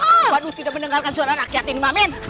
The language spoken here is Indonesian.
kau tidak bisa mendengarkan suara rakyat ini amin